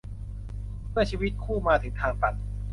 เมื่อชีวิตคู่มาถึงทางตัน